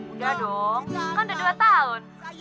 udah dong kan udah dua tahun